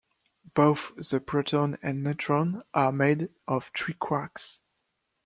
Both the proton and neutron are made of three quarks.